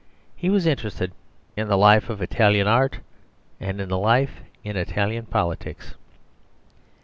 He was interested in the life in Italian art and in the life in Italian politics.